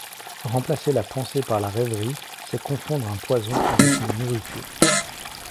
Remplacer la pensée par la rêverie, c’est confondre un poison avec une nourriture.